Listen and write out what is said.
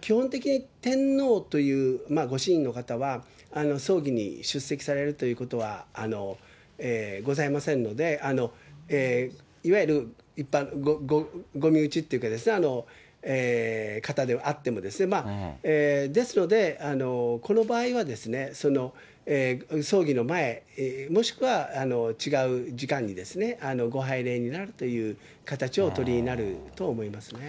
基本的に天皇という、の方は葬儀に出席されるということはございませんので、いわゆるご身内というか、方であっても、ですので、この場合は、葬儀の前、もしくは違う時間にですね、ご拝礼になるという形をお取りになると思いますね。